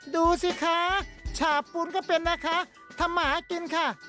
ดูสิคะฉาบปูนก็เป็นนะคะทำมาหากินค่ะ